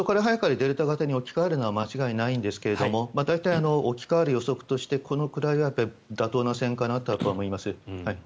デルタ型に置き換わるのは間違いないんですが大体、置き換わる予測としてこのくらいは妥当な線かなと思います。